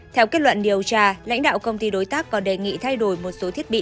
theo kết luận điều tra lãnh đạo công ty đối tác còn đề nghị thay đổi một số thiết bị